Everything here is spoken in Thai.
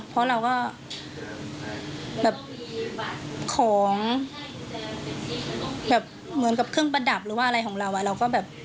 เพราะเราก็ของเหมือนกับเครื่องประดับของเรา